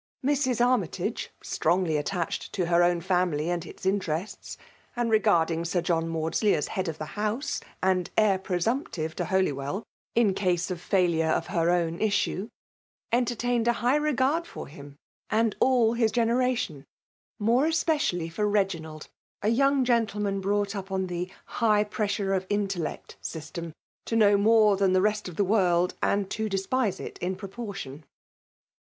Mrs. Armytage> strongly attached ix> her own family and its interests, and regards ing Sir John Maudsley as head of the house^ and heir presumptive to Holywell* in case of failure of her own issue, entertained a high regard for him and all his generation ; more* especially for Reginald, a young gentlcinaa brought up on the high pressure of intcUect system, to know more thsn the rest of the world, and to despise it in proportion.